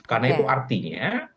karena itu artinya